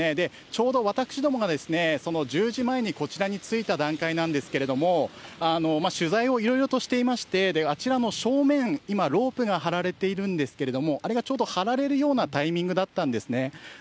ちょうど私どもが１０時前にこちらに着いた段階なんですけれども、取材をいろいろとしていまして、あちらの正面、今、ロープが張られているんですけれども、あれがちょうど張られるようなタイミングだったんですね。